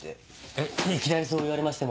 えっいきなりそう言われましても。